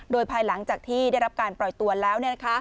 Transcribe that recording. โดยภายหลังจากที่ได้รับการปล่อยตัวแล้ว